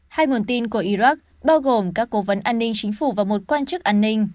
hai nguồn tin của iraq bao gồm các cố vấn an ninh chính phủ và một quan chức an ninh